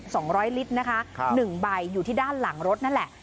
สองร้อยลิตรนะคะครับหนึ่งใบอยู่ที่ด้านหลังรถนั่นแหละ